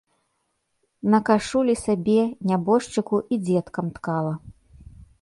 На кашулі сабе, нябожчыку і дзеткам ткала.